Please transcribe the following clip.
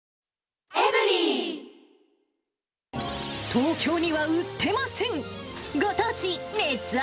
東京には売ってません！